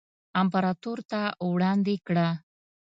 امپراتور ته وړاندې کړه.